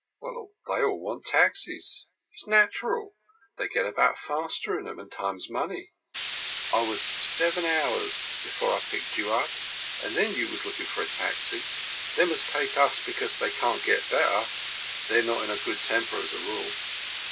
"Well, they all want the taxis. It's natural. They get about faster in them, and time's money. I was seven hours before I picked you up. And then you was lookin' for a taxi. Them as take us because they can't get better, they're not in a good temper, as a rule.